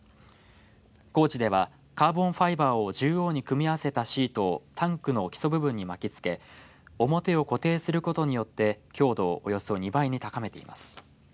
工事ではカーボンファイバーを縦横に組み合わせたシートをタンクの基礎部分に巻きつけ表を固定することによって強度をおよそ２倍に高めています。